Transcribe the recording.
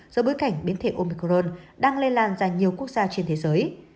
do bối cảnh biến thể omicron đang lây lan ra nhiều quốc gia trên thế giới